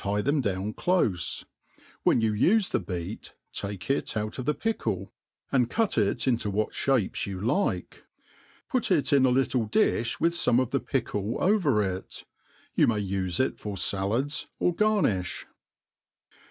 e them down clofe; when you ufe the beet take it out of the pickle, and cut it into what (bapcs MADE PLAIN AND .EASY. 273 fliape$ you like ; put it in a little di(h with fome of the pickle over it. You inay ufe it for falJads, or garniih.